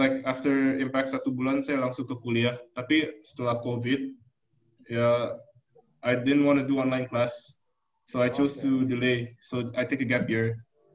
like after impact satu bulan saya langsung ke kuliah tapi setelah covid ya i didn t wanna do online class so i chose to delay so i take a gap year